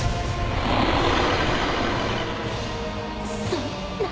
そんな。